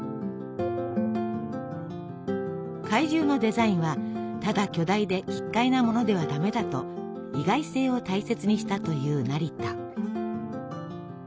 怪獣のデザインはただ巨大で奇っ怪なものではダメだと意外性を大切にしたという成田。